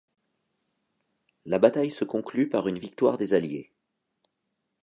La bataille se conclut par une victoire des alliés.